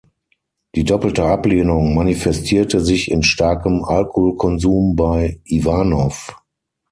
Die doppelte Ablehnung manifestierte sich in starkem Alkoholkonsum bei Iwanow.